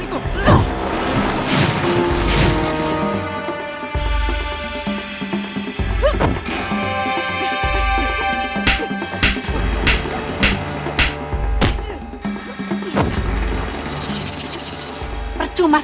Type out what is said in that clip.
aku akan mati